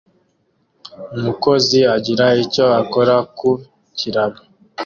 Umukozi agira icyo akora ku kiraro